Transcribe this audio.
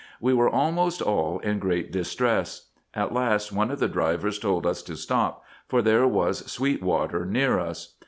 We were almost all in great distress. At last one of the drivers told us to stop, for there was sweet water near us.